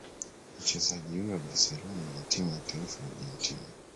Mchezaji huyo wa Barcelona na timu ya taifa ya Argentina